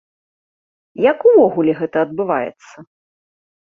Як увогуле гэта адбываецца?